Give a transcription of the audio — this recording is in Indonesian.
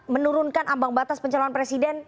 menurunkan ambang batas pencalon presiden